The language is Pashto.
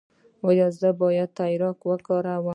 ایا زه باید تریاک وکاروم؟